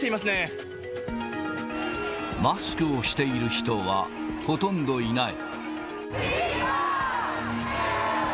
マスクをしている人はほとんどいない。